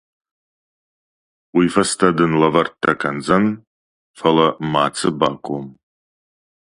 Уый фӕстӕ дын лӕвӕрттӕ кӕндзӕн, фӕлӕ мацы баком.